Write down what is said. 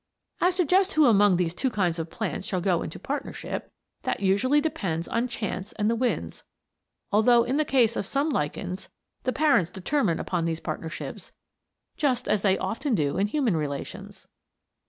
As to just who among these two kinds of plants shall go into partnership that usually depends on chance and the winds; although in the case of some lichens, the parents determine upon these partnerships, just as they often do in human relations.